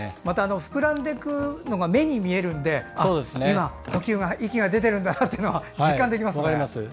膨らんでいくのが目に見えるので呼吸が出ているんだなって実感できますね。